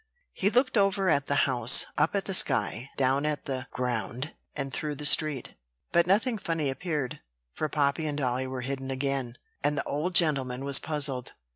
He looked over at the house, up at the sky, down at the ground, and through the street; but nothing funny appeared, for Poppy and dolly were hidden again, and the old gentleman was puzzled.